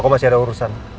aku masih ada urusan